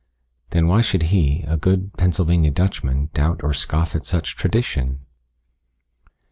Then why should he, a good Pennsylvania Dutchman, doubt or scoff at such tradition?